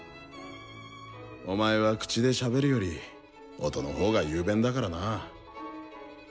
お前は口でしゃべるより音のほうが雄弁だからなぁ。